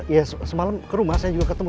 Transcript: ya semalam ke rumah saya juga ketemu